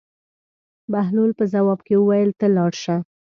بهلول په ځواب کې وویل: ته لاړ شه.